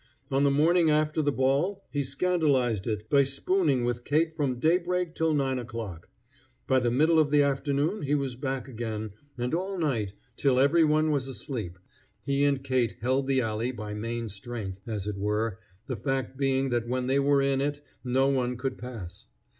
On the morning after the ball he scandalized it by spooning with Kate from daybreak till nine o'clock. By the middle of the afternoon he was back again, and all night, till every one was asleep, he and Kate held the alley by main strength, as it were, the fact being that when they were in it no one could pass.